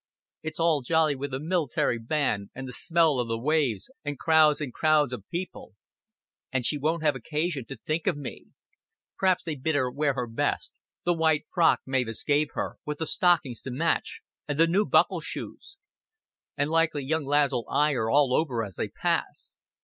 It's all jolly, wi' the mil'tary band, an' the smell o' the waves, an' crowds an' crowds o' people an' she won't have occasion to think o' me. P'raps they've bid her wear her best the white frock Mavis gave her, with the stockings to match, and the new buckle shoes and likely young lads'll eye her all over as they pass.